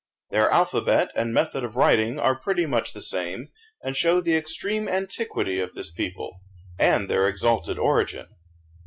Their alphabet and method of writing are pretty much the same, and show the extreme antiquity of this people, and their exalted origin.